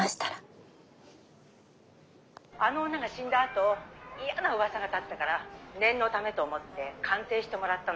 「あの女が死んだあと嫌な噂が立ったから念のためと思って鑑定してもらったのよ。